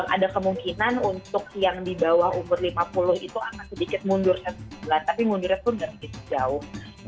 ada kemungkinan untuk yang di bawah umur lima puluh itu akan sedikit mundur sembilan tapi mundurnya pun nggak begitu jauh